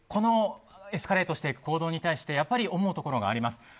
エスカレートしていく暴動に対して思うところがあります。